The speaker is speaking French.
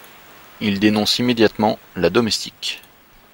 Il dénonce immédiatement la domestique.